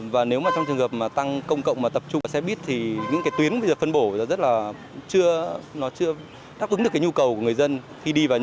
và nếu mà trong trường hợp mà tăng công cộng mà tập trung vào xe buýt thì những cái tuyến bây giờ phân bổ rất là chưa đáp ứng được cái nhu cầu của người dân